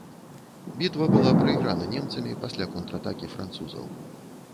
Бітва была прайграна немцамі пасля контратакі французаў.